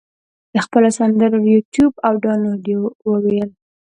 د خپلو سندرو یوټیوب او دانلود یې وویل.